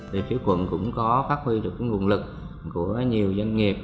thì phía quận cũng có phát huy được nguồn lực của nhiều doanh nghiệp